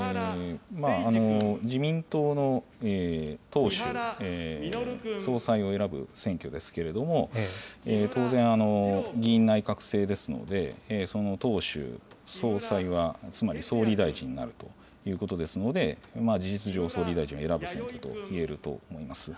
自民党の党首、総裁を選ぶ選挙ですけれども、当然、議院内閣制ですので、その党首、総裁はつまり総理大臣になるということですので、事実上、総理大臣を選ぶ選挙といえると思います。